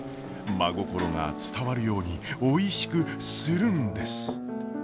真心が伝わるようにおいしくするんです！